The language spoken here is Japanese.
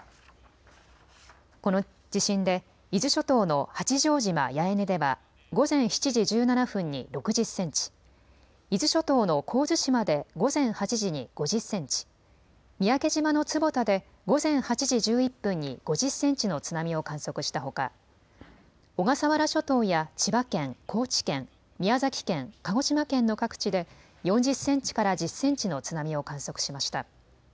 この地震で伊豆諸島の八丈島八重根では午前７時１７分に６０センチ、伊豆諸島の神津島で午前８時に５０センチ、三宅島の坪田で午前８時１１分に５０センチの津波を観測したほか小笠原諸島や千葉県、高知県、宮崎県、鹿児島県の各地で４０センチから１０センチの津波を観測しました。